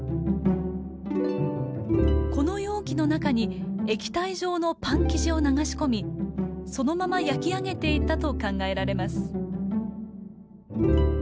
この容器の中に液体状のパン生地を流し込みそのまま焼き上げていたと考えられます。